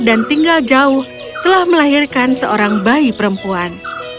dan tinggal jauh telah melahirkan seorang bayi perempuan